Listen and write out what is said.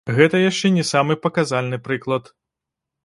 Гэта яшчэ не самы паказальны прыклад.